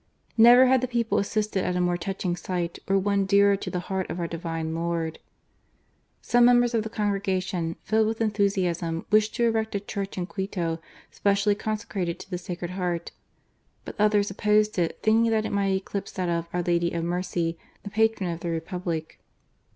Never had the people assisted at a more touching sight, or one dearer to the Heart of our Divine Lord. Some members of the Congress, filled with enthusiasm, wished to erect a church in Quito specially consecrated to the Sacred Heart ; but others opposed it, thinking that it might eclipse that of " Our Lady of Mercy," the Patron of the Republic.